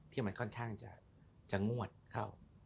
ที่มันค่อนข้างจะงวดเข้า